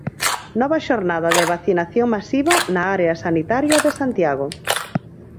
Nova xornada de vacinación masiva na área sanitaria de Santiago.